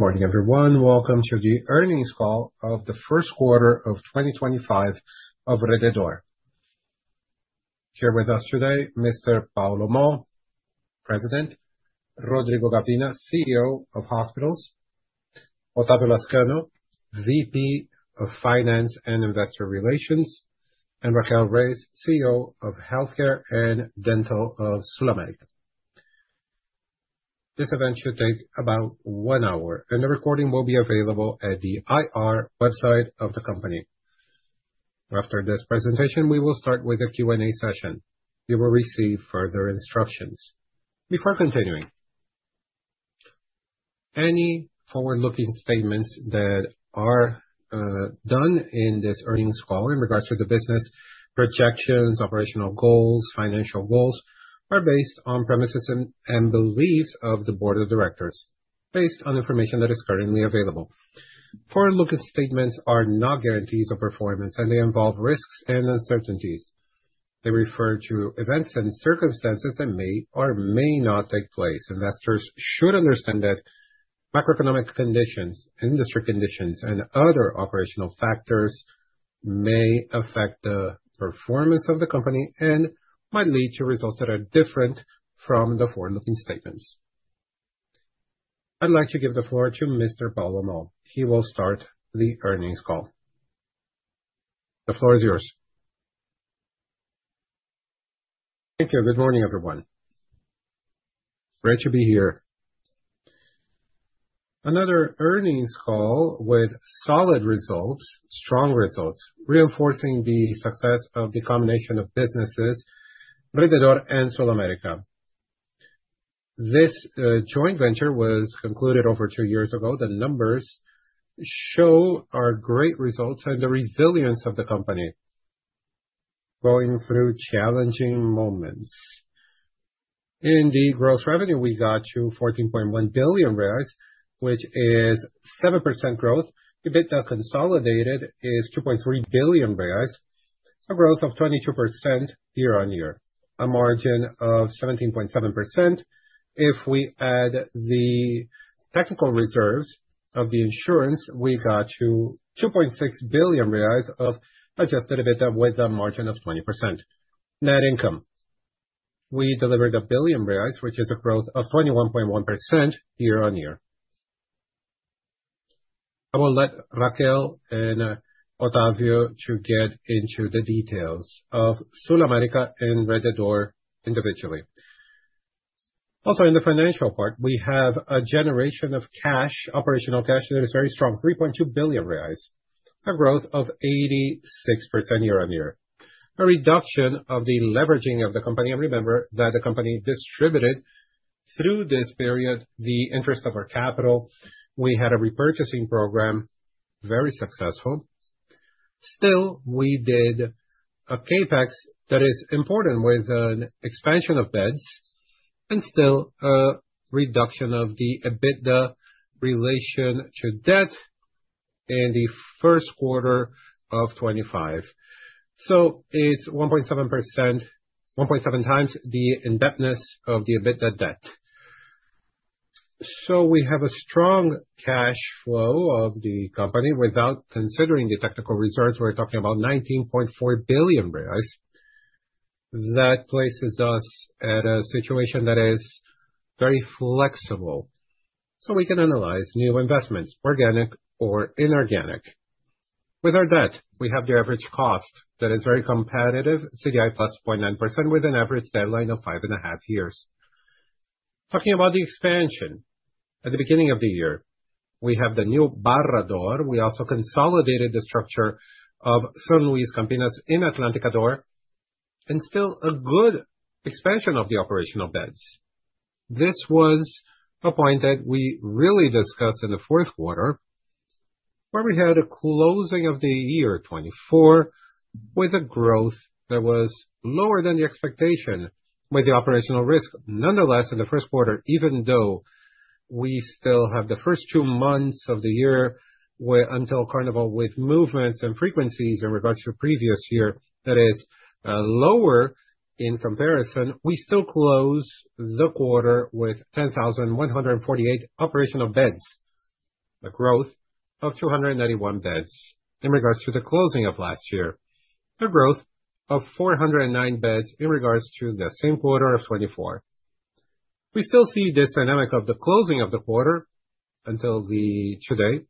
Morning, everyone. Welcome to the earnings call of the first quarter of 2025 of Rede D'Or. Here with us today, Mr. Paulo Moll, President, Rodrigo Gavina, CEO of Hospitals, Otávio Lazcano, VP of Finance and Investor Relations, and Raquel Reis, CEO of Healthcare and Dental of SulAmérica. This event should take about one hour, and the recording will be available at the IR website of the company. After this presentation, we will start with a Q&A session. You will receive further instructions. Before continuing, any forward-looking statements that are done in this earnings call in regards to the business projections, operational goals, and financial goals are based on premises and beliefs of the board of directors, based on information that is currently available. Forward-looking statements are not guarantees of performance, and they involve risks and uncertainties. They refer to events and circumstances that may or may not take place. Investors should understand that macroeconomic conditions, industry conditions, and other operational factors may affect the performance of the company and might lead to results that are different from the forward-looking statements. I'd like to give the floor to Mr. Paulo Moll. He will start the earnings call. The floor is yours. Thank you. Good morning, everyone. Great to be here. Another earnings call with solid results, strong results, reinforcing the success of the combination of businesses Rede D'Or and SulAmérica. This joint venture was concluded over two years ago. The numbers show our great results and the resilience of the company going through challenging moments. In the gross revenue, we got to 14.1 billion, which is 7% growth. EBITDA consolidated is 2.3 billion reais, a growth of 22% year-on-year, a margin of 17.7%. If we add the technical reserves of the insurance, we got to 2.6 billion reais of adjusted EBITDA with a margin of 20%. Net income, we delivered 1 billion reais, which is a growth of 21.1% year-on-year. I will let Raquel and Otávio get into the details of SulAmérica and Rede D'Or individually. Also, in the financial part, we have a generation of cash, operational cash that is very strong, 3.2 billion reais, a growth of 86% year-on-year, a reduction of the leveraging of the company. Remember that the company distributed through this period the interest of our capital. We had a repurchasing program, very successful. Still, we did a CAPEX that is important with an expansion of beds and still a reduction of the EBITDA relation to debt in the first quarter of 2025. It's 1.7%, 1.7 times the indebtedness of the EBITDA debt. We have a strong cash flow of the company. Without considering the technical reserves, we're talking about 19.4 billion reais. That places us at a situation that is very flexible. We can analyze new investments, organic or inorganic. With our debt, we have the average cost that is very competitive, CDI plus 0.9% with an average deadline of five and a half years. Talking about the expansion, at the beginning of the year, we have the new Barra D'Or. We also consolidated the structure of São Luiz Campinas in Atlântica D'Or and still a good expansion of the operational beds. This was a point that we really discussed in the fourth quarter, where we had a closing of the year 2024 with a growth that was lower than the expectation with the operational risk. Nonetheless, in the first quarter, even though we still have the first two months of the year until Carnival with movements and frequencies in regards to previous year that is lower in comparison, we still close the quarter with 10,148 operational beds, a growth of 291 beds in regards to the closing of last year, a growth of 409 beds in regards to the same quarter of 2024. We still see this dynamic of the closing of the quarter until today.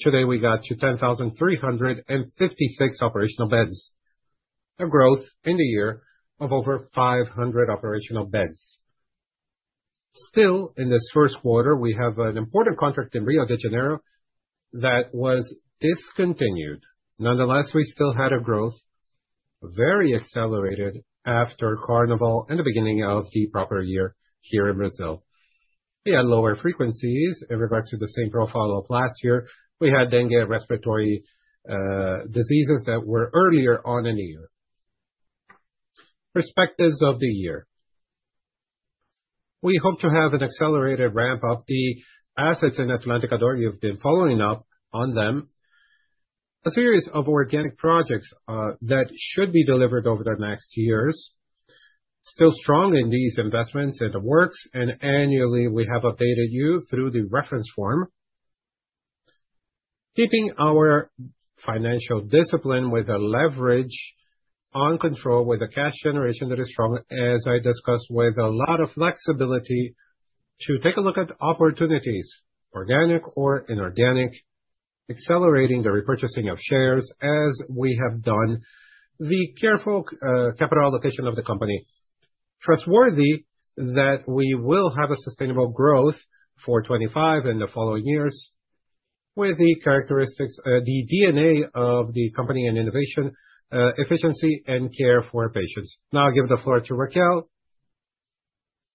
Today, we got to 10,356 operational beds, a growth in the year of over 500 operational beds. Still, in this first quarter, we have an important contract in Rio de Janeiro that was discontinued. Nonetheless, we still had a growth very accelerated after Carnival and the beginning of the proper year here in Brazil. We had lower frequencies in regards to the same profile of last year. We had then respiratory diseases that were earlier on in the year. Perspectives of the year. We hope to have an accelerated ramp of the assets in Atlântica D'Or. You've been following up on them. A series of organic projects that should be delivered over the next years. Still strong in these investments and the works. And annually, we have updated you through the Reference Form. Keeping our financial discipline with a leverage on control with a cash generation that is strong, as I discussed with a lot of flexibility to take a look at opportunities, organic or inorganic, accelerating the repurchasing of shares as we have done the careful capital allocation of the company. Trustworthy that we will have a sustainable growth for 2025 and the following years with the characteristics, the DNA of the company and innovation, efficiency, and care for patients. Now I'll give the floor to Raquel,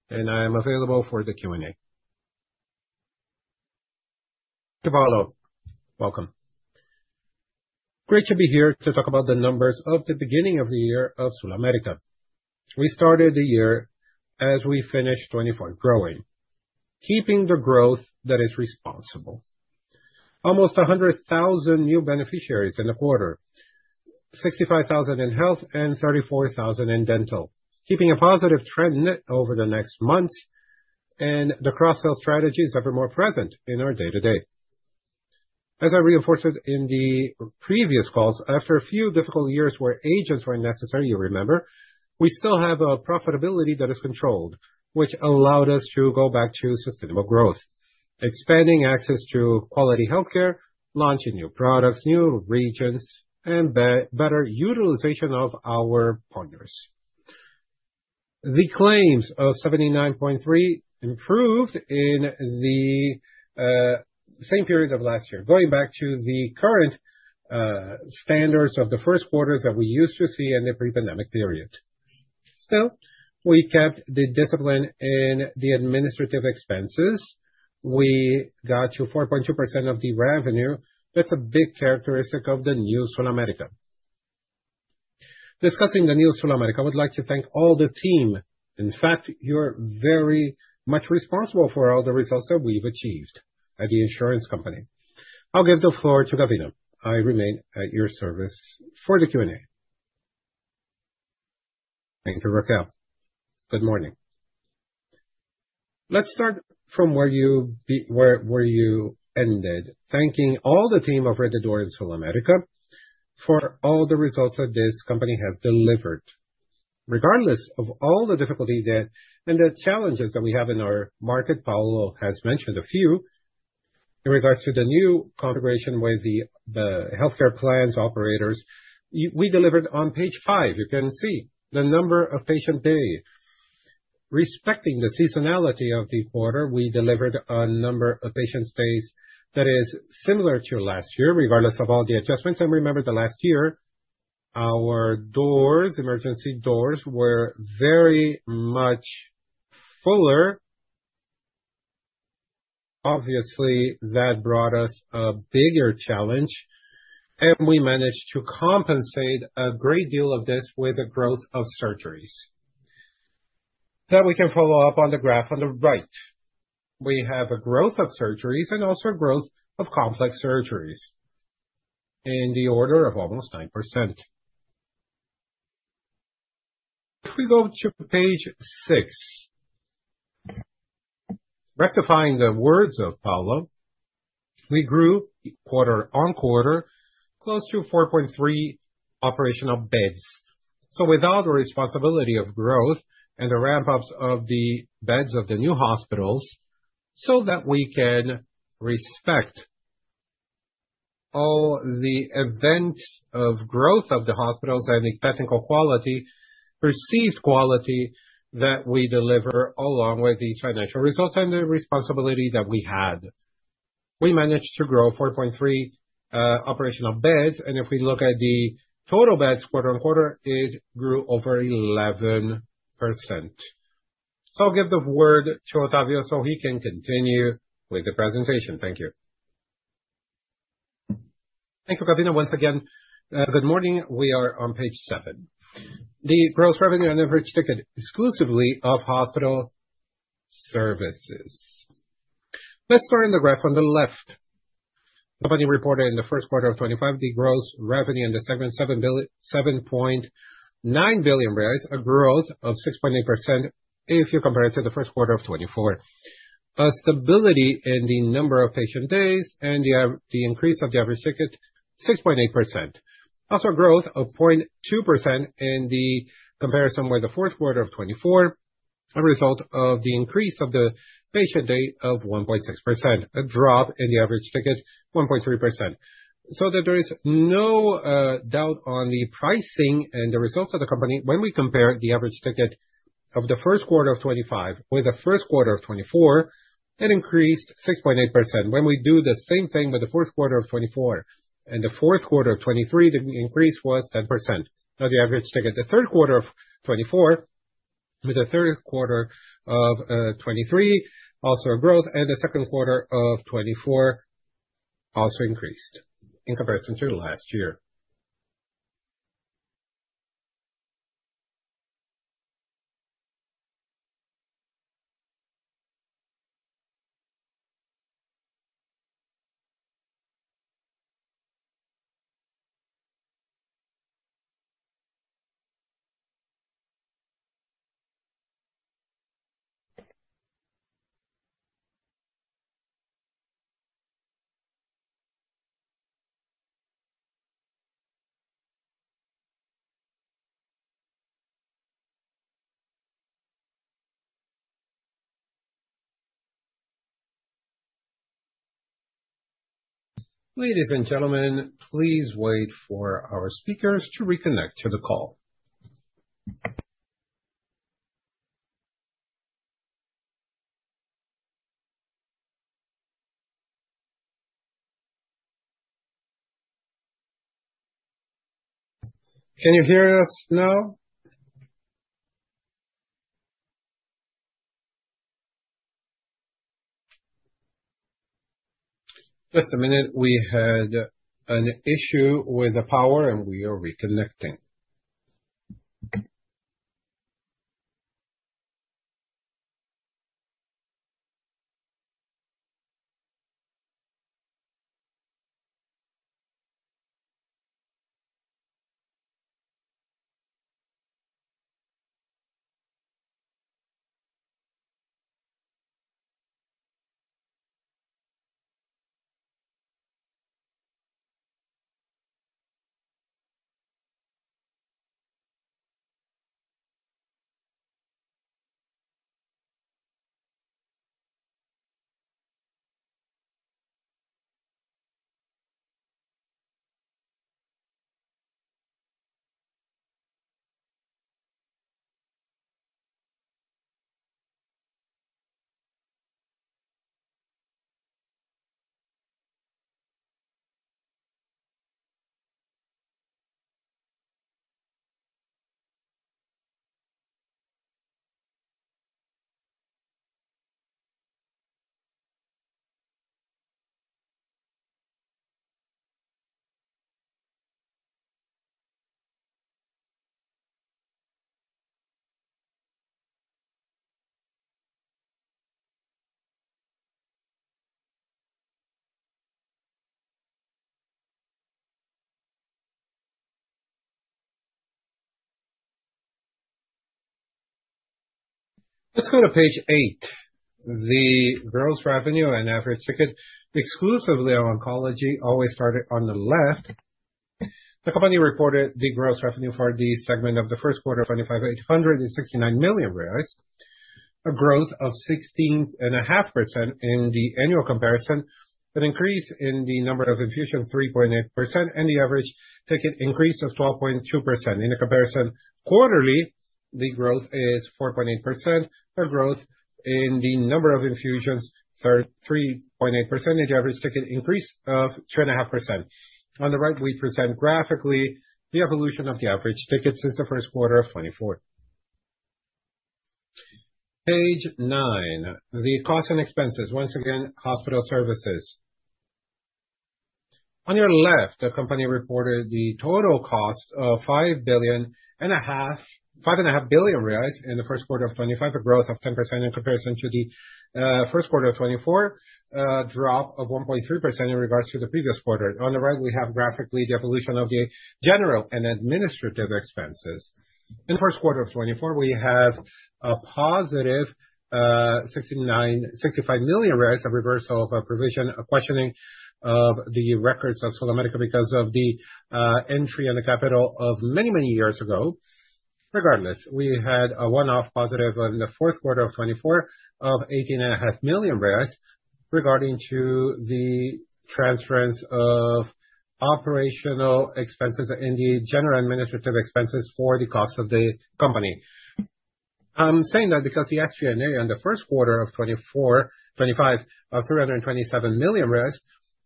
and I am available for the Q&A. Thank you, Paulo. Welcome. Great to be here to talk about the numbers of the beginning of the year of SulAmérica. We started the year as we finished 2024, growing, keeping the growth that is responsible. Almost 100,000 new beneficiaries in the quarter, 65,000 in health and 34,000 in dental, keeping a positive trend over the next months. And the cross-sell strategy is ever more present in our day-to-day. As I reinforced it in the previous calls, after a few difficult years where agents were necessary, you remember, we still have a profitability that is controlled, which allowed us to go back to sustainable growth, expanding access to quality healthcare, launching new products, new regions, and better utilization of our partners. The claims of 79.3% improved in the same period of last year, going back to the current standards of the first quarters that we used to see in the pre-pandemic period. Still, we kept the discipline in the administrative expenses. We got to 4.2% of the revenue. That's a big characteristic of the new SulAmérica. Discussing the new SulAmérica, I would like to thank all the team. In fact, you're very much responsible for all the results that we've achieved at the insurance company. I'll give the floor to Gavina. I remain at your service for the Q&A. Thank you, Raquel. Good morning. Let's start from where you ended, thanking all the team of Rede D'Or in SulAmérica for all the results that this company has delivered. Regardless of all the difficulties and the challenges that we have in our market, Paulo has mentioned a few in regards to the new configuration with the healthcare plans operators. We delivered on page five. You can see the number of patient days. Respecting the seasonality of the quarter, we delivered a number of patient stays that is similar to last year, regardless of all the adjustments. And remember, the last year, our doors, emergency doors, were very much fuller. Obviously, that brought us a bigger challenge, and we managed to compensate a great deal of this with the growth of surgeries. That we can follow up on the graph on the right. We have a growth of surgeries and also a growth of complex surgeries in the order of almost 9%. If we go to page six, rectifying the words of Paulo, we grew quarter on quarter close to 4.3 operational beds, so without the responsibility of growth and the ramp-ups of the beds of the new hospitals so that we can respect all the events of growth of the hospitals and technical quality, perceived quality that we deliver along with these financial results and the responsibility that we had, we managed to grow 4.3 operational beds, and if we look at the total beds quarter on quarter, it grew over 11%, so I'll give the word to Otávio so he can continue with the presentation. Thank you. Thank you, Gavina. Once again, good morning. We are on page seven. The gross revenue on average ticket exclusively of hospital services. Let's start on the graph on the left. Company reported in the first quarter of 2025 the gross revenue in the segment of 7.9 billion, a growth of 6.8% if you compare it to the first quarter of 2024. There was a stability in the number of patient days and the increase of the average ticket of 6.8%. There was also a growth of 0.2% in the comparison with the fourth quarter of 2024, a result of the increase of the patient day of 1.6% and a drop in the average ticket of 1.3%. That way, there is no doubt on the pricing and the results of the company. When we compare the average ticket of the first quarter of 2025 with the first quarter of 2024, it increased 6.8%. When we do the same thing with the fourth quarter of 2024 and the fourth quarter of 2023, the increase was 10%. Now the average ticket, the third quarter of 2024 with the third quarter of 2023, also a growth, and the second quarter of 2024 also increased in comparison to last year. Ladies and gentlemen, please wait for our speakers to reconnect to the call. Can you hear us now? Just a minute. We had an issue with the power, and we are reconnecting. Let's go to page eight. The gross revenue on average ticket exclusively on oncology always started on the left. The company reported the gross revenue for the segment of the first quarter of 2025, 869 million reais, a growth of 16.5% in the annual comparison, an increase in the number of infusions, 3.8%, and the average ticket increase of 12.2%. In the comparison quarterly, the growth is 4.8%, a growth in the number of infusions, 3.8%, and the average ticket increase of 2.5%. On the right, we present graphically the evolution of the average ticket since the first quarter of 2024. Page nine, the cost and expenses. Once again, hospital services. On your left, the company reported the total cost of 5.5 billion in the first quarter of 2025, a growth of 10% in comparison to the first quarter of 2024, a drop of 1.3% in regards to the previous quarter. On the right, we have graphically the evolution of the general and administrative expenses. In the first quarter of 2024, we have a positive 65 million of reversal of a provision, a questioning of the records of SulAmérica because of the entry in the capital of many, many years ago. Regardless, we had a one-off positive in the fourth quarter of 2024 of 18.5 million regarding to the transference of operational expenses and the general administrative expenses for the cost of the company. I'm saying that because the SG&A on the first quarter of 2024, 2025, of 327 million,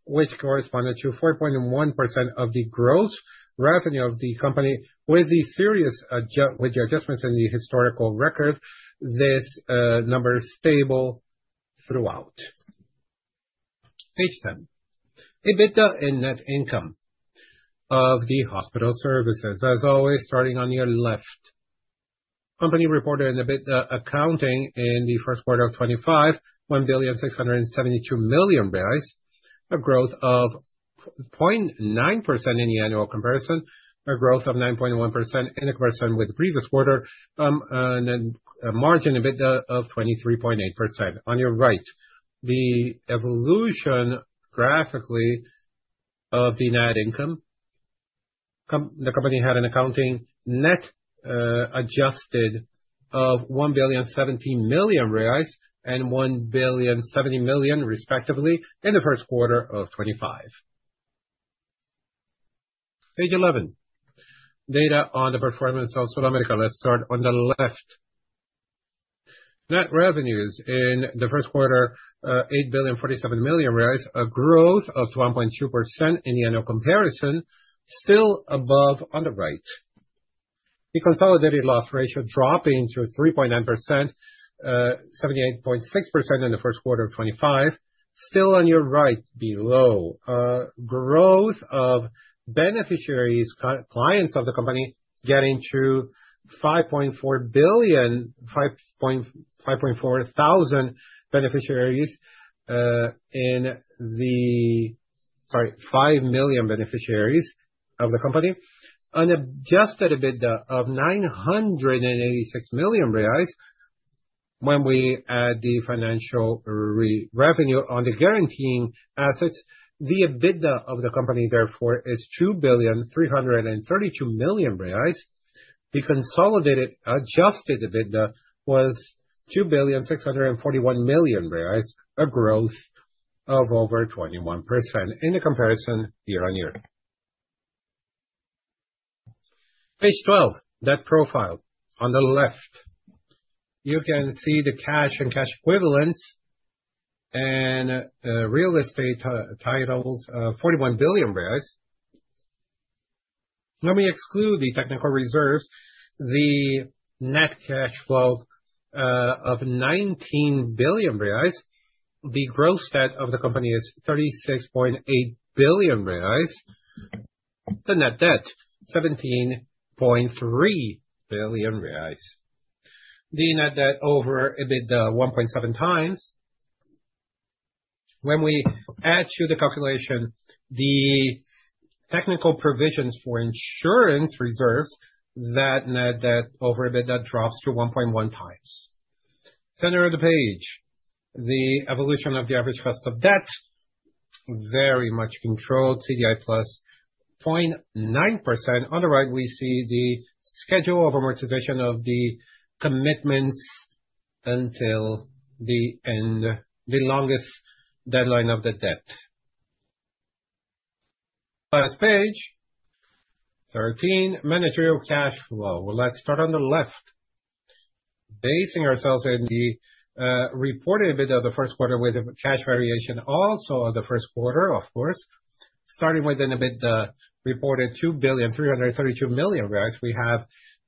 which corresponded to 4.1% of the gross revenue of the company with the serious adjustments in the historical record, this number is stable throughout. Page 10, EBITDA and net income of the hospital services. As always, starting on your left, the company reported an EBITDA accounting in the first quarter of 2025, 1,672 million, a growth of 0.9% in the annual comparison, a growth of 9.1% in comparison with the previous quarter, and a margin EBITDA of 23.8%. On your right, the evolution graphically of the net income. The company had an accounting net adjusted of 1,017 million reais and 1,070 million, respectively, in the first quarter of 2025. Page 11, data on the performance of SulAmérica. Let's start on the left. Net revenues in the first quarter, 8,047 million, a growth of 1.2% in the annual comparison, still above on the right. The consolidated loss ratio dropping to 3.9%, 78.6% in the first quarter of 2025, still on your right below. Growth of beneficiaries, clients of the company getting to 5 million beneficiaries of the company on adjusted EBITDA of BRL 986 million. When we add the financial revenue on the guaranteeing assets, the EBITDA of the company, therefore, is 2,332 million reais. The consolidated adjusted EBITDA was 2,641 million reais, a growth of over 21% in the comparison year-on-year. Page 12, that profile on the left, you can see the cash and cash equivalents and real estate titles, 41 billion. Let me exclude the technical reserves. The net cash flow of 19 billion reais. The gross debt of the company is 36.8 billion reais. The net debt, 17.3 billion reais. The net debt over EBITDA, 1.7 times. When we add to the calculation, the technical provisions for insurance reserves, that net debt over EBITDA drops to 1.1 times. Center of the page, the evolution of the average cost of debt, very much controlled, CDI plus 0.9%. On the right, we see the schedule of amortization of the commitments until the end, the longest deadline of the debt. Last page, 13, managerial cash flow. Let's start on the left. Basing ourselves in the reported EBITDA of the first quarter with cash variation also of the first quarter, of course. Starting with an EBITDA reported 2,332 million reais, we have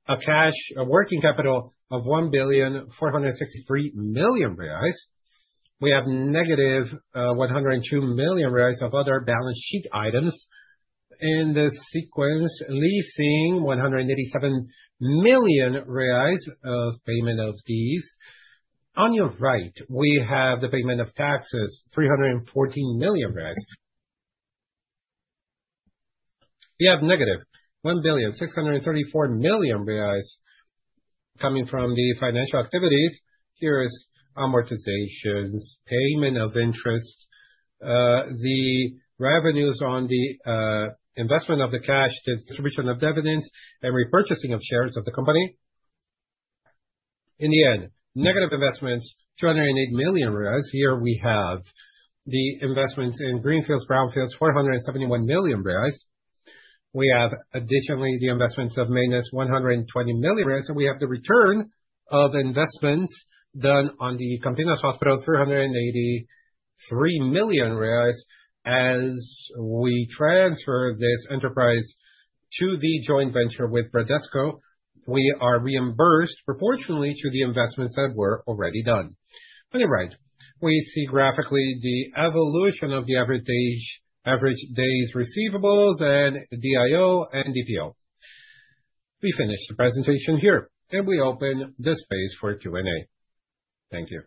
a cash working capital of 1,463 million reais. We have negative 102 million reais of other balance sheet items in the sequence, leasing 187 million reais of payment of these. On your right, we have the payment of taxes, 314 million BRL. We have negative 1,634 million BRL coming from the financial activities. Here is amortizations, payment of interests, the revenues on the investment of the cash, the distribution of dividends, and repurchasing of shares of the company. In the end, negative investments, 208 million reais. Here we have the investments in Greenfields, Brownfields, 471 million reais. We have additionally the investments of Minas, 120 million reais, and we have the return of investments done on the Campinas Hospital, 383 million reais. As we transfer this enterprise to the joint venture with Bradesco, we are reimbursed proportionally to the investments that were already done. On your right, we see graphically the evolution of the average days receivables and DIO and DPO. We finish the presentation here, and we open the space for Q&A. Thank you.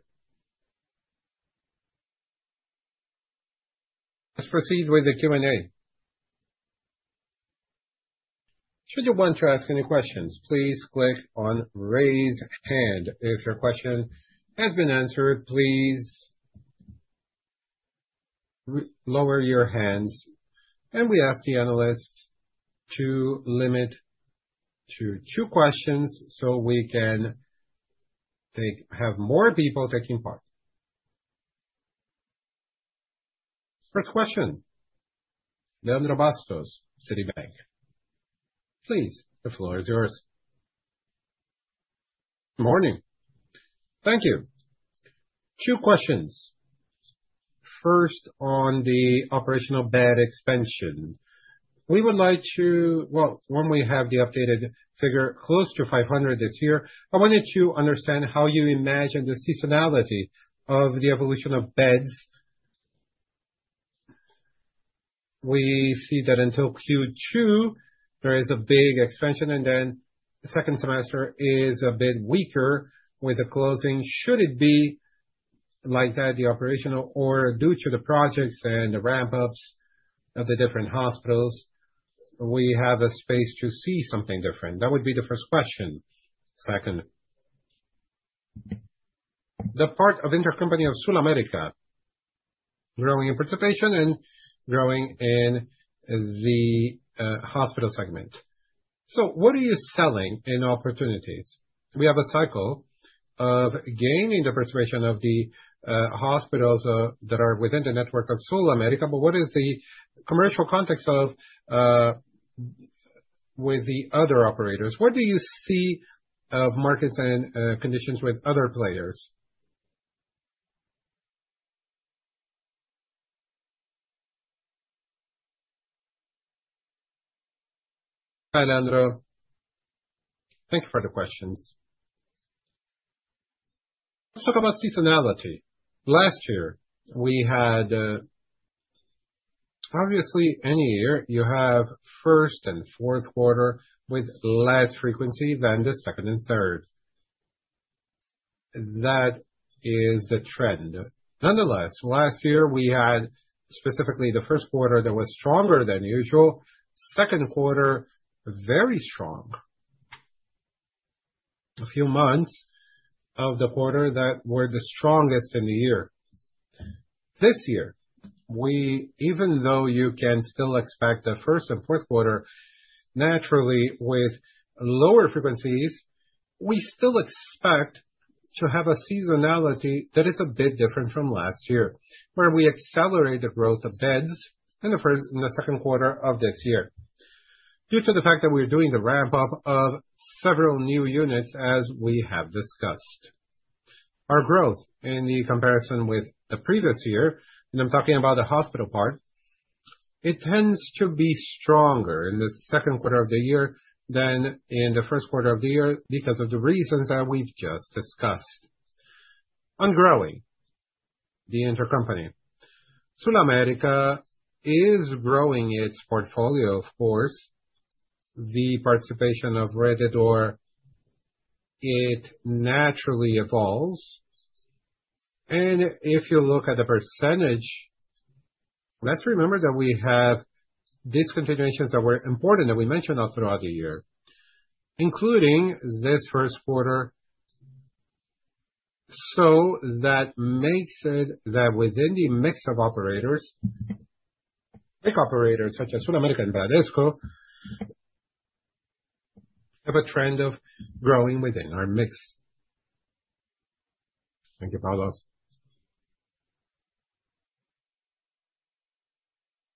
Let's proceed with the Q&A. Should you want to ask any questions, please click on raise hand. If your question has been answered, please lower your hands, and we ask the analysts to limit to two questions so we can have more people taking part. First question, Leandro Bastos, Citibank. Please, the floor is yours. Good morning. Thank you. Two questions. First, on the operational bed expansion. We would like to, well, when we have the updated figure close to 500 this year, I wanted to understand how you imagine the seasonality of the evolution of beds. We see that until Q2, there is a big expansion, and then the second semester is a bit weaker with the closing. Should it be like that, the operational, or due to the projects and the ramp-ups of the different hospitals, we have a space to see something different? That would be the first question. Second, the part of intercompany of SulAmérica growing in participation and growing in the hospital segment. So what are you selling in opportunities? We have a cycle of gain in the preservation of the hospitals that are within the network of SulAmérica. But what is the commercial context with the other operators? What do you see of markets and conditions with other players? Hi, Leandro. Thank you for the questions. Let's talk about seasonality. Last year, we had, obviously, any year, you have first and fourth quarter with less frequency than the second and third. That is the trend. Nonetheless, last year, we had specifically the first quarter that was stronger than usual, second quarter very strong, a few months of the quarter that were the strongest in the year. This year, even though you can still expect the first and fourth quarter, naturally, with lower frequencies, we still expect to have a seasonality that is a bit different from last year, where we accelerate the growth of beds in the second quarter of this year. Due to the fact that we're doing the ramp-up of several new units, as we have discussed, our growth in the comparison with the previous year, and I'm talking about the hospital part, it tends to be stronger in the second quarter of the year than in the first quarter of the year because of the reasons that we've just discussed. Regarding growing, the intercompany SulAmérica is growing its portfolio, of course. The participation of Rede D'Or, it naturally evolves. And if you look at the percentage, let's remember that we have these continuations that were important that we mentioned throughout the year, including this first quarter. So that makes it that within the mix of operators, big operators such as SulAmérica and Bradesco, have a trend of growing within our mix. Thank you, Paulo.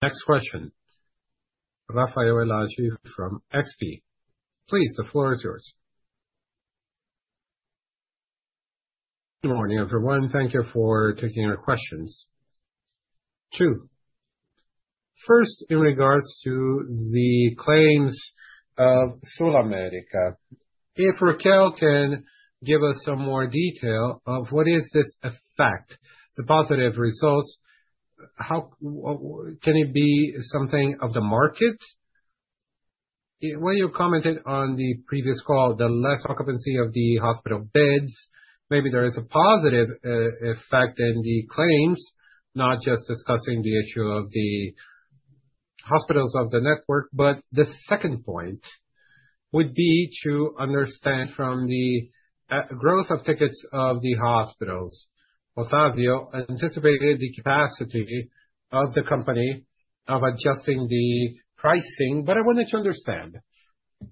Next question, Rafael Elage from XP. Please, the floor is yours. Good morning, everyone. Thank you for taking our questions. Two, first, in regards to the claims of SulAmérica. If Raquel can give us some more detail of what is this effect, the positive results, can it be something of the market? When you commented on the previous call, the less occupancy of the hospital beds, maybe there is a positive effect in the claims, not just discussing the issue of the hospitals of the network. But the second point would be to understand from the growth of tickets of the hospitals. Otávio anticipated the capacity of the company of adjusting the pricing, but I wanted to understand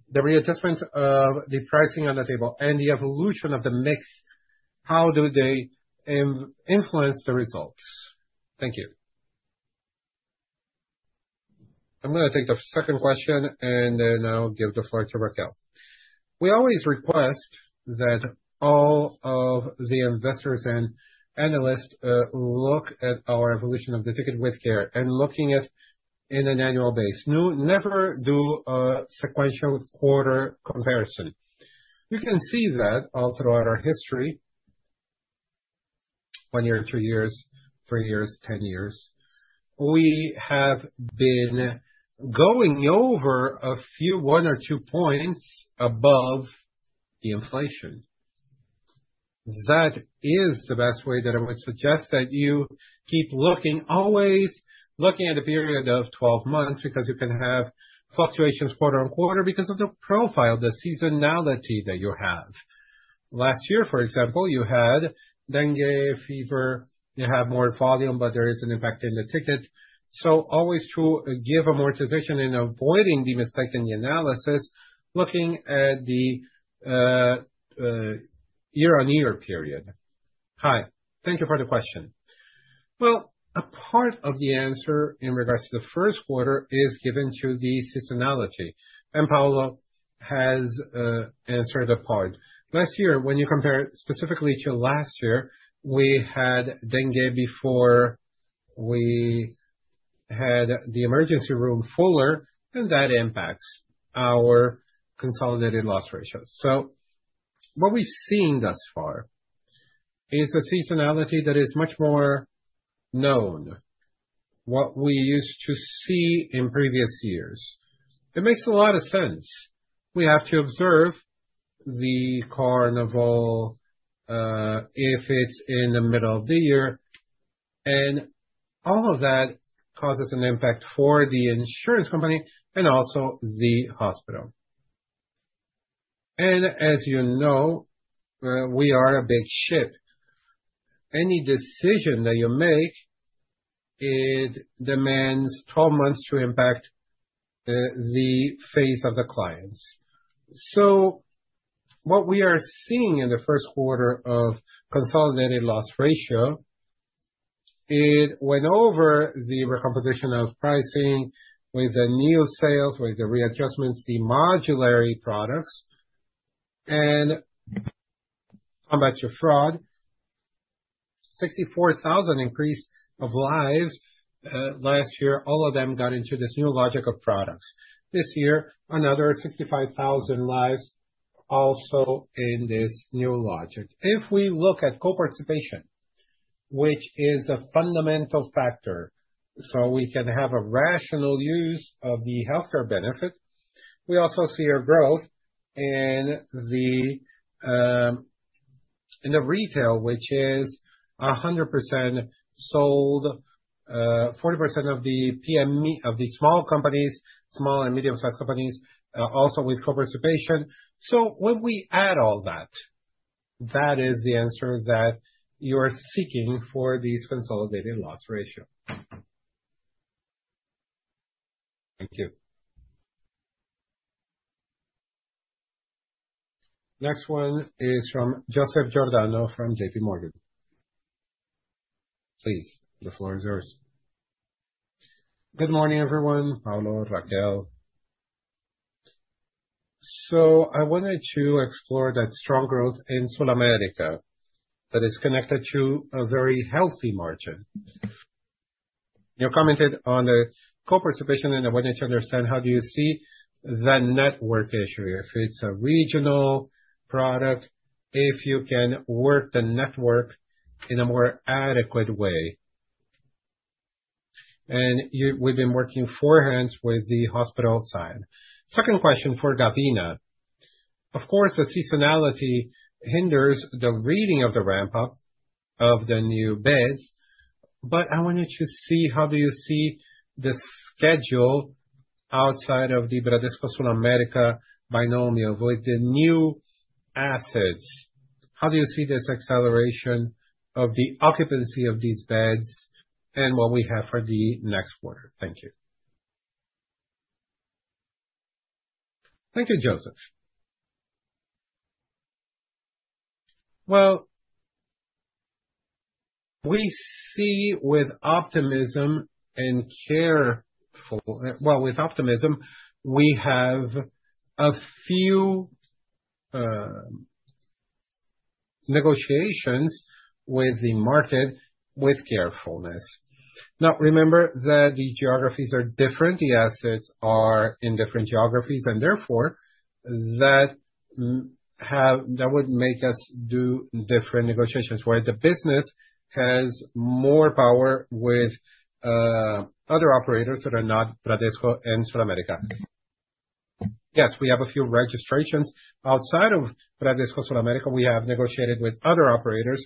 the readjustments of the pricing on the table and the evolution of the mix. How do they influence the results? Thank you. I'm going to take the second question, and then I'll give the floor to Raquel. We always request that all of the investors and analysts look at our evolution of the ticket with care and look at it on an annual basis. Never do a sequential quarter comparison. You can see that all throughout our history, one year, two years, three years, ten years. We have been going over a few one or two points above the inflation. That is the best way that I would suggest that you keep looking, always looking at a period of 12 months because you can have fluctuations quarter on quarter because of the profile, the seasonality that you have. Last year, for example, you had dengue fever, you have more volume, but there is an impact in the ticket. So always to give amortization and avoiding the mistake in the analysis, looking at the year-on-year period. Hi. Thank you for the question. Well, a part of the answer in regards to the first quarter is given to the seasonality, and Paulo has answered a part. Last year, when you compare specifically to last year, we had dengue before we had the emergency room fuller, and that impacts our consolidated loss ratios, so what we've seen thus far is a seasonality that is much more known. What we used to see in previous years, it makes a lot of sense. We have to observe the carnival if it's in the middle of the year, and all of that causes an impact for the insurance company and also the hospital, and as you know, we are a big ship. Any decision that you make, it demands 12 months to impact the face of the clients, so what we are seeing in the first quarter of consolidated loss ratio, it went over the recomposition of pricing with the new sales, with the readjustments, the modular products, and come back to 64%, 64,000 increase of lives last year. All of them got into this new logic of products. This year, another 65,000 lives also in this new logic. If we look at co-participation, which is a fundamental factor so we can have a rational use of the healthcare benefit, we also see a growth in the retail, which is 100% sold, 40% of the small companies, small and medium-sized companies, also with co-participation. So when we add all that, that is the answer that you are seeking for this consolidated loss ratio. Thank you. Next one is from Joseph Giordano from JPMorgan. Please, the floor is yours. Good morning, everyone. Paulo, Raquel. So I wanted to explore that strong growth in SulAmérica that is connected to a very healthy margin. You commented on the co-participation, and I wanted to understand how do you see the network issue, if it's a regional product, if you can work the network in a more adequate way. And we've been working forehands with the hospital side. Second question for Gavina. Of course, the seasonality hinders the reading of the ramp-up of the new beds. But I wanted to see how do you see the schedule outside of the Bradesco SulAmérica binomial with the new assets. How do you see this acceleration of the occupancy of these beds and what we have for the next quarter? Thank you. Thank you, Joseph. Well, we see with optimism and careful, well, with optimism, we have a few negotiations with the market with carefulness. Now, remember that the geographies are different. The assets are in different geographies, and therefore, that would make us do different negotiations where the business has more power with other operators that are not Bradesco and SulAmérica. Yes, we have a few registrations outside of Bradesco SulAmérica. We have negotiated with other operators.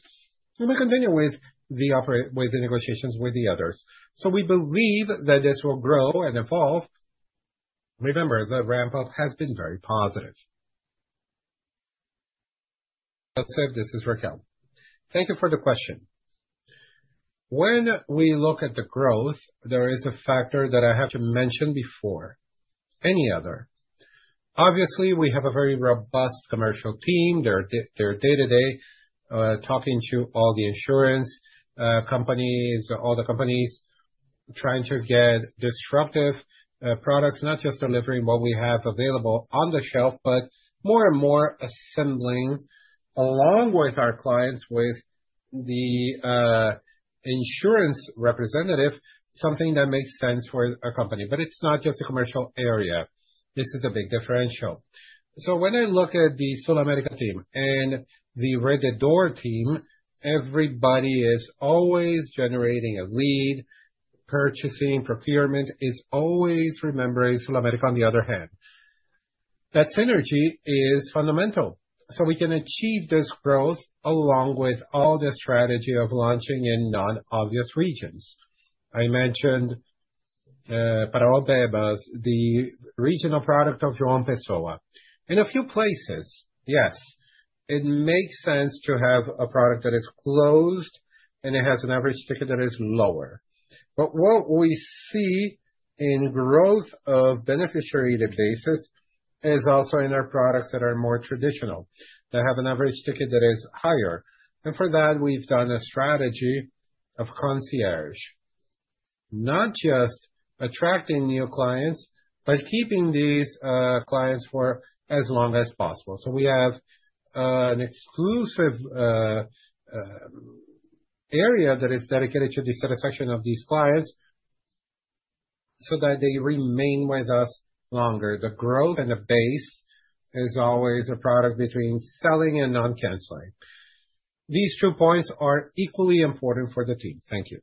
We may continue with the negotiations with the others. So we believe that this will grow and evolve. Remember, the ramp-up has been very positive. Joseph, this is Raquel. Thank you for the question. When we look at the growth, there is a factor that I have to mention before. Any other? Obviously, we have a very robust commercial team. They're day-to-day talking to all the insurance companies, all the companies trying to get disruptive products, not just delivering what we have available on the shelf, but more and more assembling along with our clients with the insurance representative, something that makes sense for a company. But it's not just a commercial area. This is a big differential. So when I look at the SulAmérica team and the Rede D'Or team, everybody is always generating a lead. Purchasing procurement is always remembering SulAmérica on the other hand. That synergy is fundamental. So we can achieve this growth along with all the strategy of launching in non-obvious regions. I mentioned Parauapebas, the regional product of João Pessoa. In a few places, yes, it makes sense to have a product that is closed and it has an average ticket that is lower. But what we see in growth of beneficiary databases is also in our products that are more traditional that have an average ticket that is higher. And for that, we've done a strategy of concierge, not just attracting new clients, but keeping these clients for as long as possible. So we have an exclusive area that is dedicated to the satisfaction of these clients so that they remain with us longer. The growth and the base is always a product between selling and non-canceling. These two points are equally important for the team. Thank you.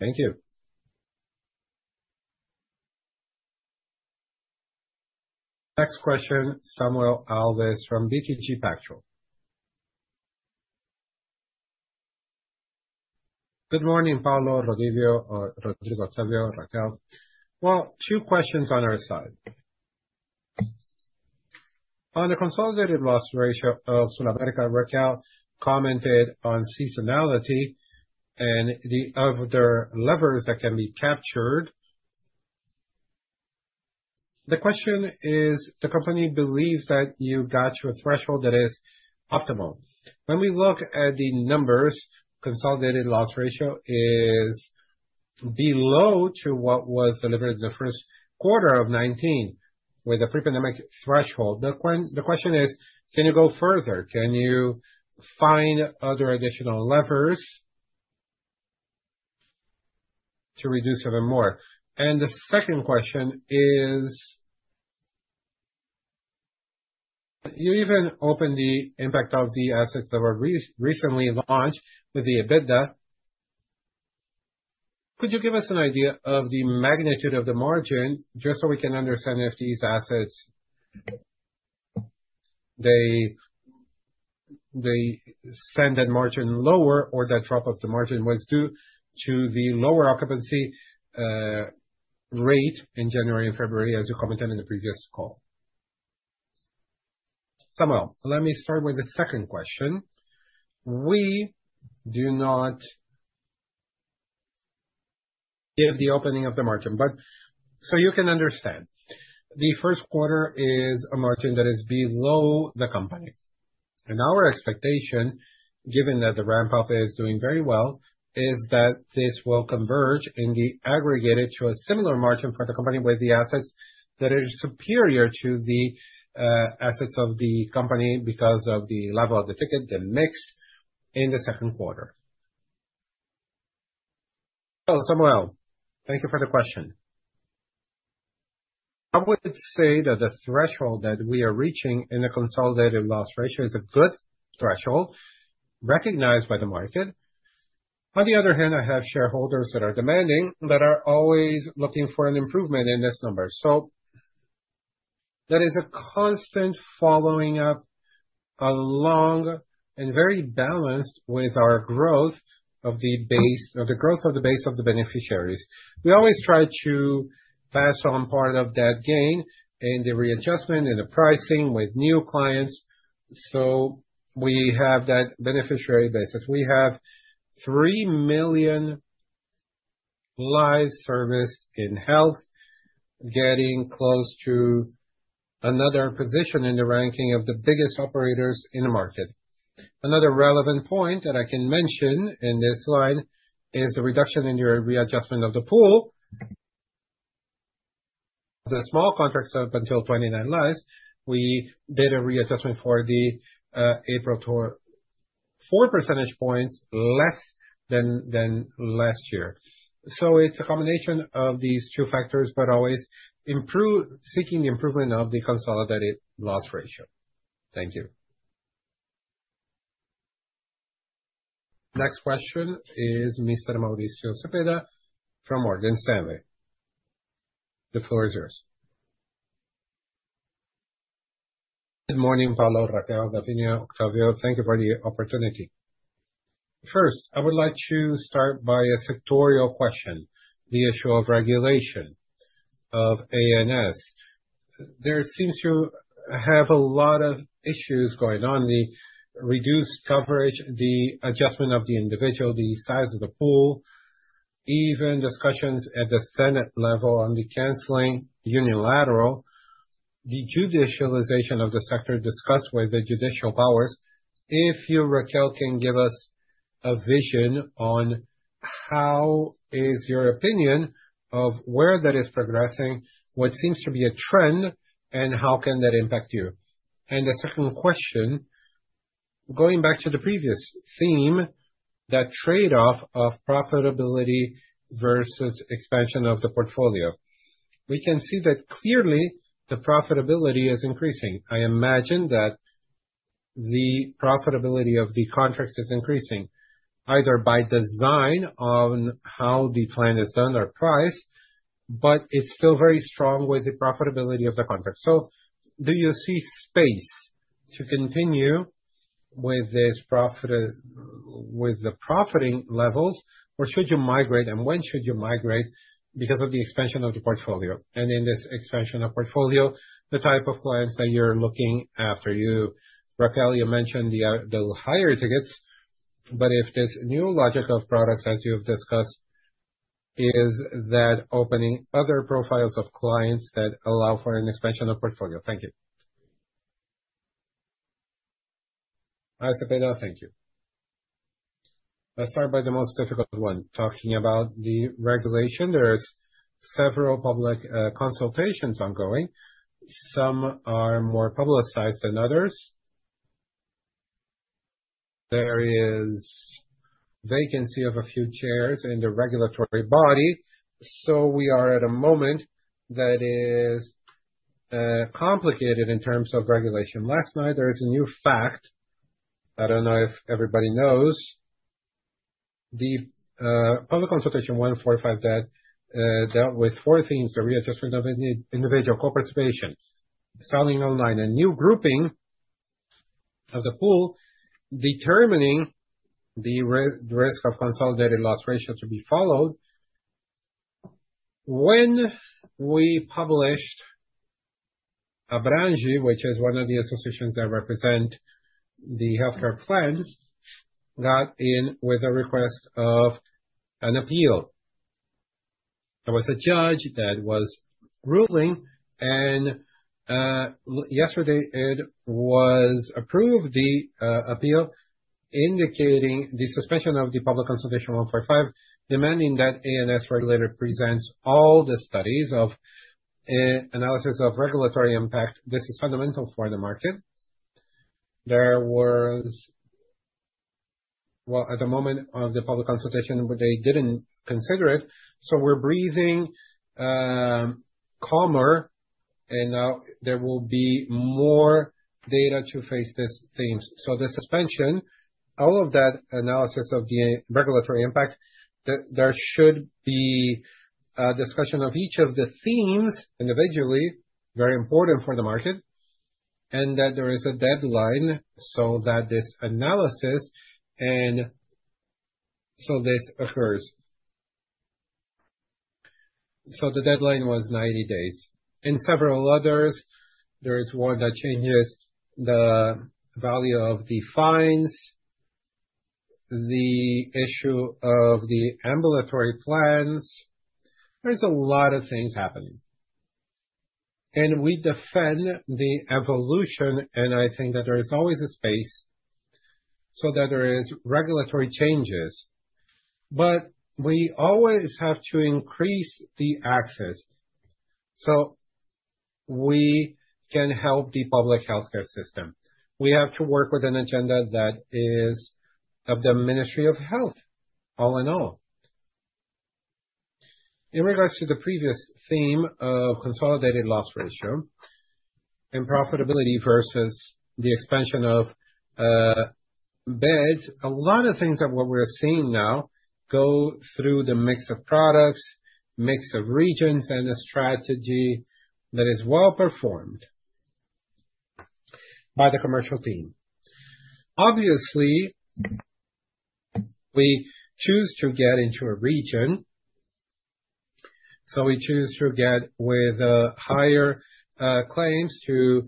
Thank you. Next question, Samuel Alves from BTG Pactual. Good morning, Paulo, Rodrigo, Rodrigo, Otávio, Raquel. Well, two questions on our side. On the consolidated loss ratio of SulAmérica, Raquel commented on seasonality and the other levers that can be captured. The question is, the company believes that you got your threshold that is optimal. When we look at the numbers, Consolidated Loss Ratio is below what was delivered in the first quarter of 2019 with the pre-pandemic threshold. The question is, can you go further? Can you find other additional levers to reduce even more? And the second question is, you even opened the impact of the assets that were recently launched with the EBITDA. Could you give us an idea of the magnitude of the margin just so we can understand if these assets, they send that margin lower or that drop of the margin was due to the lower occupancy rate in January and February, as you commented in the previous call? Samuel, let me start with the second question. We do not give the opening of the margin, but so you can understand. The first quarter is a margin that is below the company. Our expectation, given that the ramp-up is doing very well, is that this will converge in the aggregate to a similar margin for the company with the assets that are superior to the assets of the company because of the level of the ticket, the mix in the second quarter. Samuel, thank you for the question. I would say that the threshold that we are reaching in the consolidated loss ratio is a good threshold recognized by the market. On the other hand, I have shareholders that are demanding that are always looking for an improvement in this number. That is a constant following up along and very balanced with our growth of the base of the beneficiaries. We always try to pass on part of that gain in the readjustment and the pricing with new clients. So we have that beneficiary basis. We have 3 million lives serviced in health, getting close to another position in the ranking of the biggest operators in the market. Another relevant point that I can mention in this line is the reduction in your readjustment of the pool. The small contracts up until 29 lives, we did a readjustment for April to 4 percentage points less than last year. So it's a combination of these two factors, but always seeking the improvement of the consolidated loss ratio. Thank you. Next question is Mr. Mauricio Cepeda from Morgan Stanley. The floor is yours. Good morning, Paulo, Raquel, Gavina, Otávio. Thank you for the opportunity. First, I would like to start by a sectoral question, the issue of regulation of ANS. There seems to have a lot of issues going on, the reduced coverage, the adjustment of the individual, the size of the pool, even discussions at the Senate level on the unilateral cancellation, the judicialization of the sector discussed with the judicial powers. If you, Raquel, can give us a vision on how is your opinion of where that is progressing, what seems to be a trend, and how can that impact you? And the second question, going back to the previous theme, that trade-off of profitability versus expansion of the portfolio. We can see that clearly the profitability is increasing. I imagine that the profitability of the contracts is increasing either by design on how the plan is done or price, but it's still very strong with the profitability of the contracts. So do you see space to continue with the profiting levels, or should you migrate, and when should you migrate because of the expansion of the portfolio? And in this expansion of portfolio, the type of clients that you're looking after. Raquel, you mentioned the higher tickets, but if this new logic of products, as you've discussed, is that opening other profiles of clients that allow for an expansion of portfolio. Thank you. Hi, Cepeda. Thank you. Let's start by the most difficult one, talking about the regulation. There are several public consultations ongoing. Some are more publicized than others. There is vacancy of a few chairs in the regulatory body. So we are at a moment that is complicated in terms of regulation. Last night, there is a new fact. I don't know if everybody knows. The Public Consultation 145 dealt with four themes: the readjustment of individual co-participation, selling online, and new grouping of the pool, determining the risk of consolidated loss ratio to be followed. When we published Abramge, which is one of the associations that represent the healthcare plans, got in with a request of an appeal. There was a judge that was ruling, and yesterday it was approved, the appeal indicating the suspension of the Public Consultation 145, demanding that ANS regulator presents all the studies of analysis of regulatory impact. This is fundamental for the market. There was, well, at the moment of the public consultation, they didn't consider it. So we're breathing calmer, and now there will be more data to face these themes. So the suspension, all of that analysis of the regulatory impact, there should be a discussion of each of the themes individually, very important for the market, and that there is a deadline so that this analysis and so this occurs. So the deadline was 90 days. In several others, there is one that changes the value of the fines, the issue of the ambulatory plans. There's a lot of things happening. And we defend the evolution, and I think that there is always a space so that there are regulatory changes, but we always have to increase the access so we can help the public healthcare system. We have to work with an agenda that is of the Ministry of Health, all in all. In regards to the previous theme of consolidated loss ratio and profitability versus the expansion of beds, a lot of things that what we're seeing now go through the mix of products, mix of regions, and a strategy that is well performed by the commercial team. Obviously, we choose to get into a region, so we choose to get with higher claims to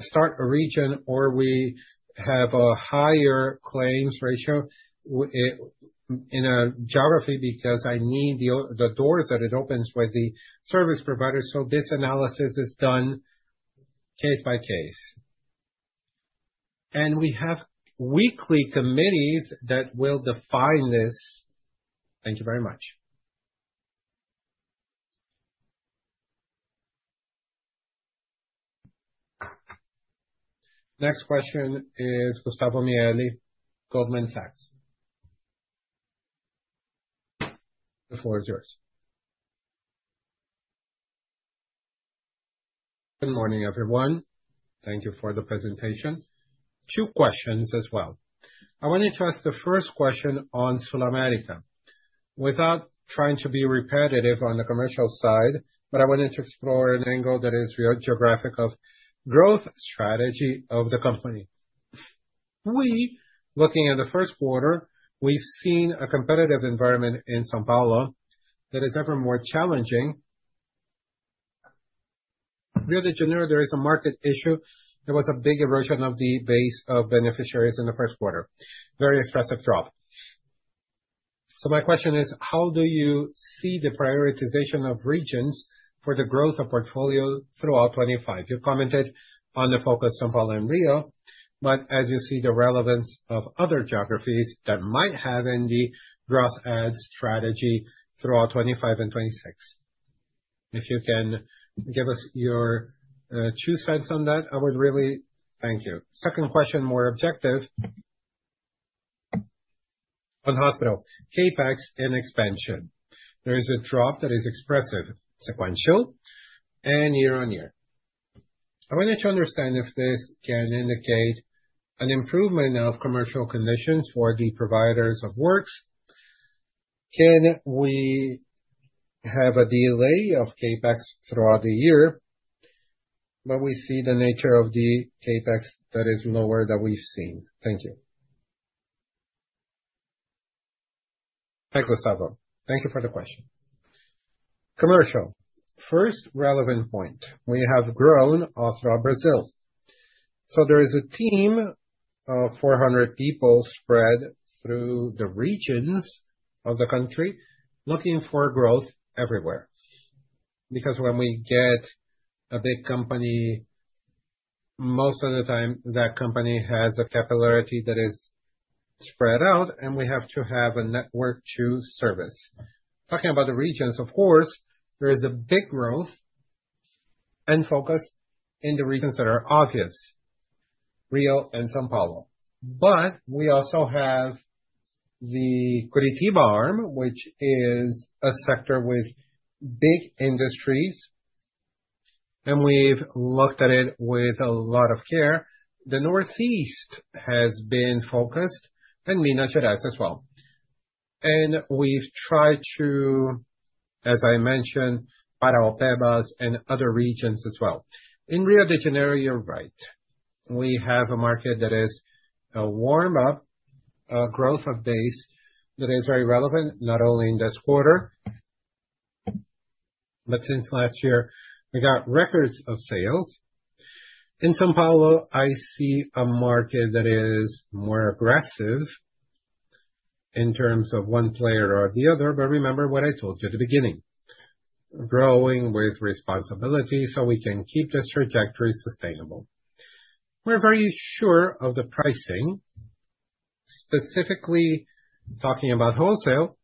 start a region, or we have a higher claims ratio in a geography because I need the doors that it opens with the service provider. So this analysis is done case by case, and we have weekly committees that will define this. Thank you very much. Next question is Gustavo Mieli, Goldman Sachs. The floor is yours. Good morning, everyone. Thank you for the presentation. Two questions as well. I want to address the first question on SulAmérica without trying to be repetitive on the commercial side, but I wanted to explore an angle that is geographical growth strategy of the company. Looking at the first quarter, we've seen a competitive environment in São Paulo that is ever more challenging. In general, there is a market issue. There was a big erosion of the base of beneficiaries in the first quarter, very expressive drop. So my question is, how do you see the prioritization of regions for the growth of portfolio throughout 2025? You commented on the focus on São Paulo and Rio, but as you see the relevance of other geographies that might have in the growth strategy throughout 2025 and 2026? If you can give us your two cents on that, I would really thank you. Second question, more objective. One hospital, CAPEX in expansion. There is a drop that is expressive, sequential, and year-on-year. I wanted to understand if this can indicate an improvement of commercial conditions for the providers of works. Can we have a delay of CAPEX throughout the year? But we see the nature of the CAPEX that is lower than we've seen. Thank you. Hi, Gustavo. Thank you for the question. Commercial, first relevant point. We have grown off Brazil. So there is a team of 400 people spread through the regions of the country looking for growth everywhere. Because when we get a big company, most of the time that company has a capillarity that is spread out, and we have to have a network to service. Talking about the regions, of course, there is a big growth and focus in the regions that are obvious, Rio and São Paulo. But we also have the Curitiba arm, which is a sector with big industries, and we've looked at it with a lot of care. The Northeast has been focused, and Minas Gerais as well. And we've tried to, as I mentioned, Parauapebas and other regions as well. In Rio de Janeiro, you're right. We have a market that is a warm-up growth of base that is very relevant, not only in this quarter, but since last year, we got records of sales. In São Paulo, I see a market that is more aggressive in terms of one player or the other, but remember what I told you at the beginning, growing with responsibility so we can keep this trajectory sustainable. We're very sure of the pricing, specifically talking about wholesale,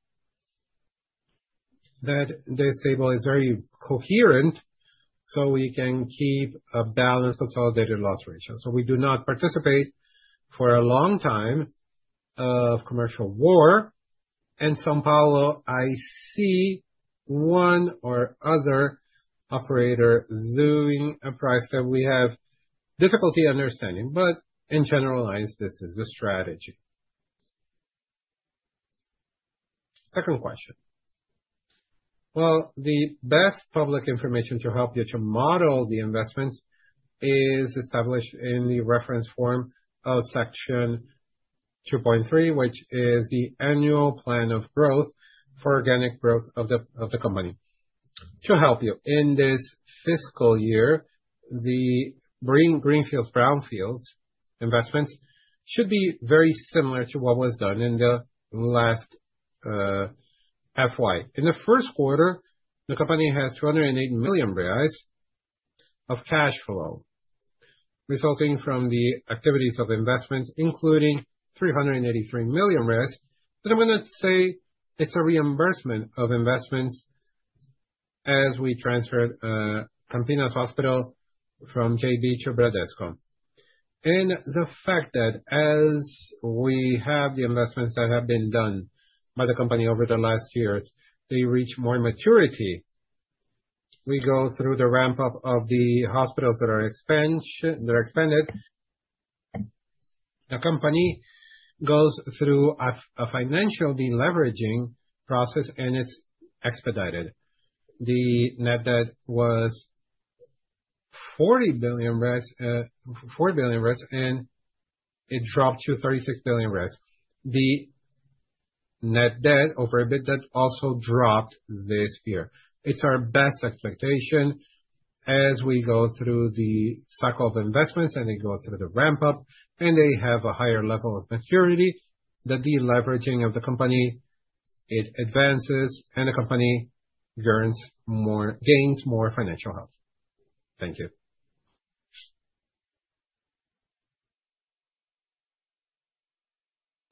that this table is very coherent so we can keep a balanced consolidated loss ratio. We do not participate for a long time of commercial war. In São Paulo, I see one or other operator zooming a price that we have difficulty understanding, but in general lines, this is the strategy. Second question. The best public information to help you to model the investments is established in the reference form of section 2.3, which is the annual plan of growth for organic growth of the company. To help you in this fiscal year, the Greenfields Brownfields investments should be very similar to what was done in the last FY. In the first quarter, the company has 208 million reais of cash flow resulting from the activities of investments, including 383 million. But I'm going to say it's a reimbursement of investments as we transferred Campinas Hospital from JV to Bradesco. and the fact that as we have the investments that have been done by the company over the last years, they reach more maturity. We go through the ramp-up of the hospitals that are expanded. The company goes through a financial deleveraging process, and it's expedited. The net debt was 40 billion, and it dropped to 36 billion. The net debt over EBITDA that also dropped this year. It's our best expectation as we go through the cycle of investments, and they go through the ramp-up, and they have a higher level of maturity, that the leveraging of the company, it advances, and the company gains more financial health. Thank you.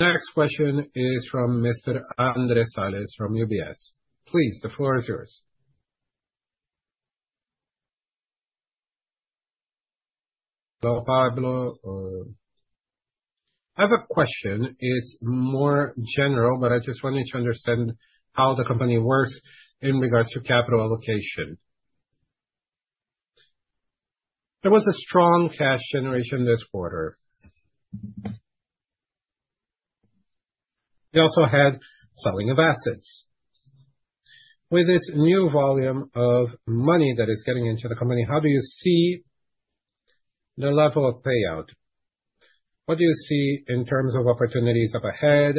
Next question is from Mr. Andrés Salas from UBS. Please, the floor is yours. I have a question. It's more general, but I just wanted to understand how the company works in regards to capital allocation. There was a strong cash generation this quarter. We also had selling of assets. With this new volume of money that is getting into the company, how do you see the level of payout? What do you see in terms of opportunities up ahead,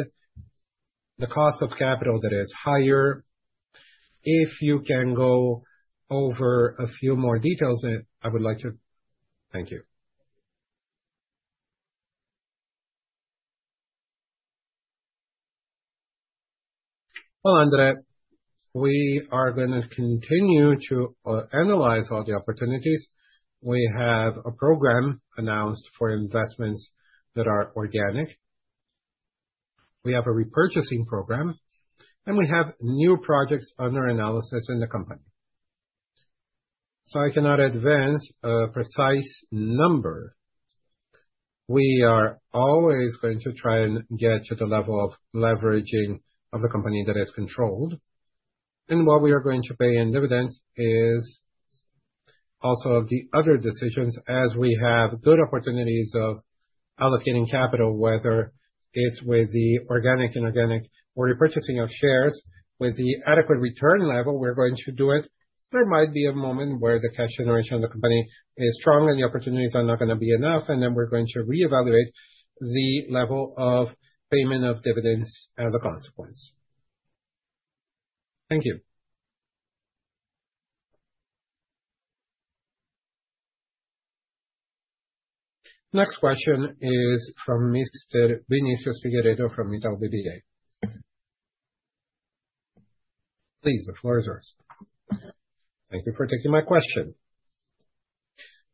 the cost of capital that is higher? If you can go over a few more details, I would like to thank you. Andrés, we are going to continue to analyze all the opportunities. We have a program announced for investments that are organic. We have a repurchasing program, and we have new projects under analysis in the company. I cannot advance a precise number. We are always going to try and get to the level of leveraging of the company that is controlled. What we are going to pay in dividends is also of the other decisions as we have good opportunities of allocating capital, whether it's with the organic, inorganic or repurchasing of shares with the adequate return level. We're going to do it. There might be a moment where the cash generation of the company is strong and the opportunities are not going to be enough, and then we're going to reevaluate the level of payment of dividends as a consequence. Thank you. Next question is from Mr. Vinicius Figueiredo from Itaú BBA. Please, the floor is yours. Thank you for taking my question.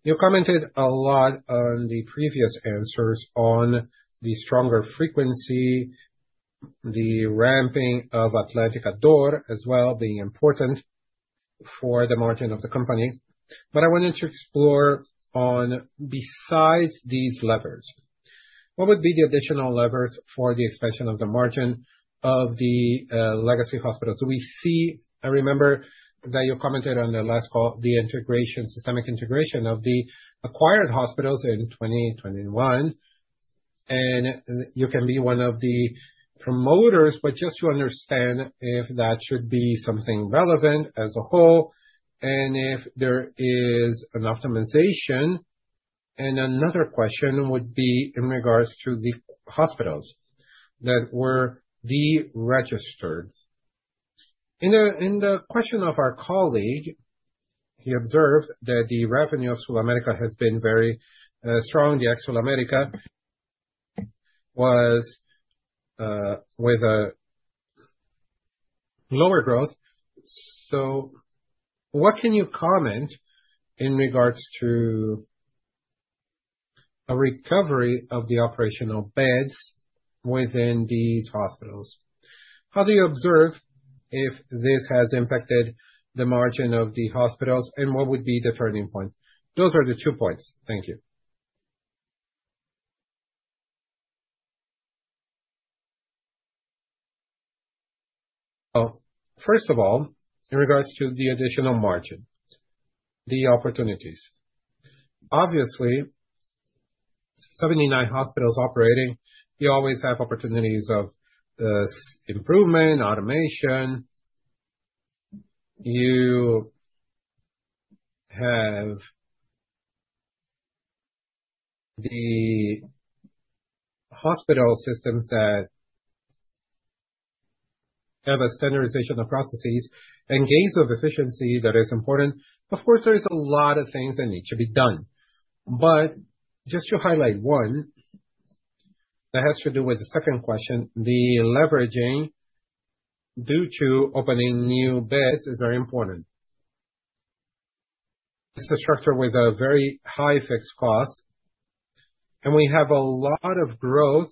You commented a lot on the previous answers on the stronger frequency, the ramping of Atlântica D'Or as well being important for the margin of the company. But I wanted to explore on besides these levers. What would be the additional levers for the expansion of the margin of the legacy hospitals? Do we see? I remember that you commented on the last call, the integration, systemic integration of the acquired hospitals in 2021. And you can be one of the promoters, but just to understand if that should be something relevant as a whole and if there is an optimization. And another question would be in regards to the hospitals that were deregistered. In the question of our colleague, he observed that the revenue of SulAmérica has been very strong. The ex-SulAmérica was with a lower growth. So what can you comment in regards to a recovery of the operational beds within these hospitals? How do you observe if this has impacted the margin of the hospitals and what would be the turning point? Those are the two points. Thank you. First of all, in regards to the additional margin, the opportunities. Obviously, 79 hospitals operating, you always have opportunities of improvement, automation. You have the hospital systems that have a standardization of processes and gains of efficiency that is important. Of course, there are a lot of things that need to be done. But just to highlight one that has to do with the second question, the leveraging due to opening new beds is very important. It's a structure with a very high fixed cost. And we have a lot of growth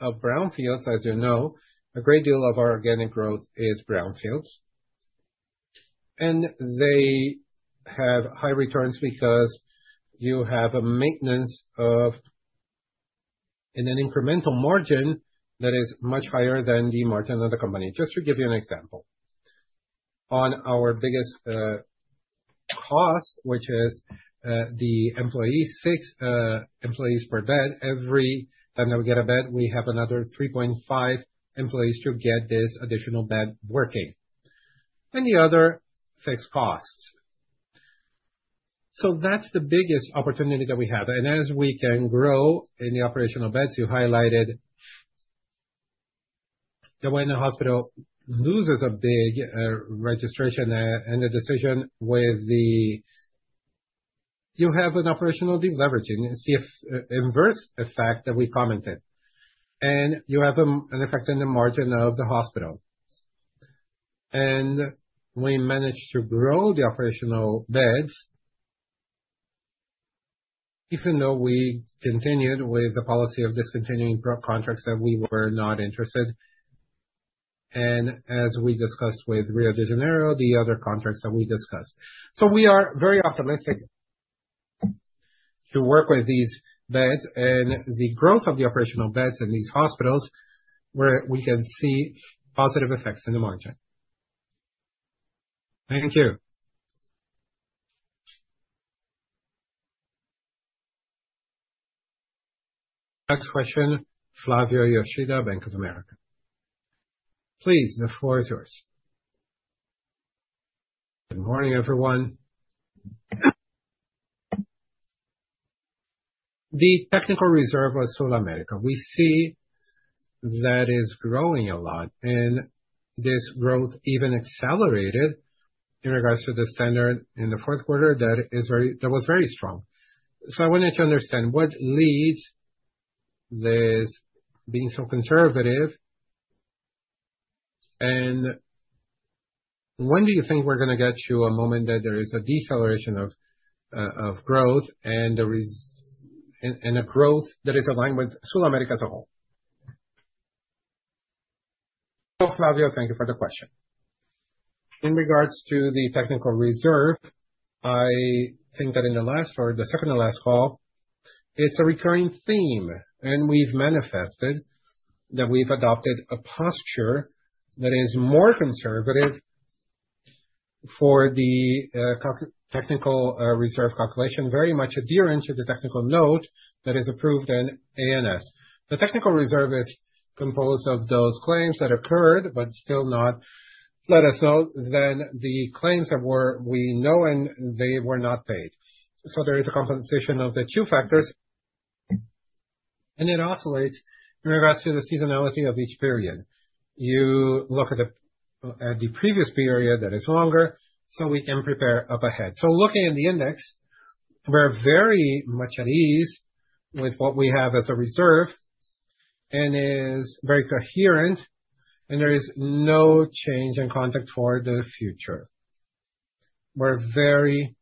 of brownfields, as you know. A great deal of our organic growth is brownfields. And they have high returns because you have a maintenance of an incremental margin that is much higher than the margin of the company. Just to give you an example, on our biggest cost, which is the employee, six employees per bed. Every time that we get a bed, we have another 3.5 employees to get this additional bed working. And the other fixed costs. So that's the biggest opportunity that we have. And as we can grow in the operational beds, you highlighted the way the hospital loses a big registration and the decision with the. You have an operational deleveraging and see the inverse effect that we commented. And you have an effect in the margin of the hospital. And we managed to grow the operational beds even though we continued with the policy of discontinuing contracts that we were not interested. And as we discussed with Rio de Janeiro, the other contracts that we discussed. So we are very optimistic to work with these beds and the growth of the operational beds in these hospitals where we can see positive effects in the margin. Thank you. Next question, Flavio Yoshida, Bank of America. Please, the floor is yours. Good morning, everyone. The technical reserve of SulAmérica, we see that is growing a lot. And this growth even accelerated in regards to the standard in the fourth quarter that was very strong. So I wanted to understand what leads this being so conservative. And when do you think we're going to get to a moment that there is a deceleration of growth and a growth that is aligned with SulAmérica as a whole? So, Flavio, thank you for the question. In regards to the technical reserve, I think that in the last or the second to last call, it's a recurring theme. And we've manifested that we've adopted a posture that is more conservative for the technical reserve calculation, very much adherent to the technical note that is approved in ANS. The technical reserve is composed of those claims that occurred, but still not let us know, then the claims that we know and they were not paid. So there is a compensation of the two factors. And it oscillates in regards to the seasonality of each period. You look at the previous period that is longer, so we can prepare up ahead. So looking at the index, we're very much at ease with what we have as a reserve and is very coherent. And there is no change in forecast for the future. We're very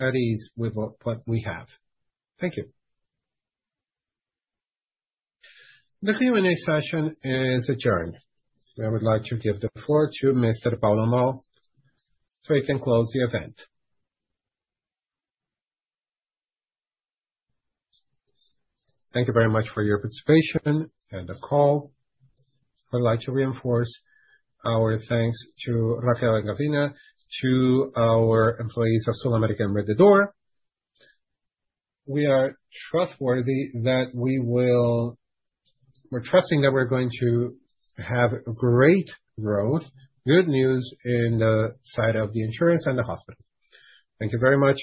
at ease with what we have. Thank you. The Q&A session is adjourned. I would like to give the floor to Mr. Paulo Moll so he can close the event. Thank you very much for your participation and the call. I would like to reinforce our thanks to Raquel Reis and Gavina, to our employees of SulAmérica and Rede D'Or. We are trustworthy that we're trusting that we're going to have great growth, good news in the side of the insurance and the hospital. Thank you very much.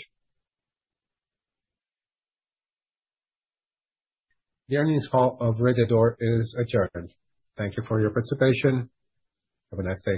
The earnings call of Rede D'Or is adjourned. Thank you for your participation. Have a nice day.